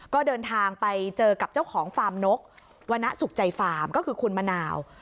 ก็เดินทางไปเจอกับเจ้าของฟาร์มนกวรรณสุขใจฟาร์มก็คือคุณมะนาว